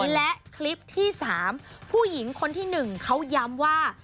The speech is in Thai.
และคลิปที่๓ผู้หญิงคนที่๑เขาย้ำว่า